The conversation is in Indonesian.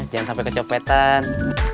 jangan sampai kecopetan